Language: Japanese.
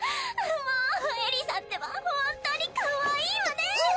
もうエリサってばホントにかわいいわね！